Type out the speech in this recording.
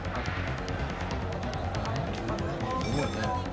すごいね。